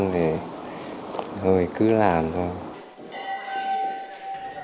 thì cứ làm thôi